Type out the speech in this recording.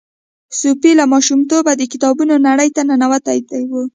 صوفي له ماشومتوبه د کتابونو نړۍ ننوتې وه.